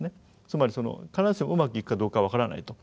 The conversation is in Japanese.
つまり必ずしもうまくいくかどうか分からないと。